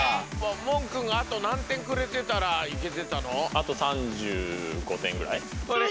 問くんがあと何点くれてたらいけてたの？